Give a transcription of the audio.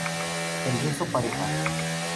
El beso pareja.